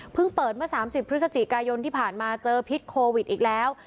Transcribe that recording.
เปิดเมื่อ๓๐พฤศจิกายนที่ผ่านมาเจอพิษโควิดอีกแล้ว